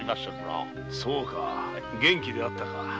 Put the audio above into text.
そうか元気であったか。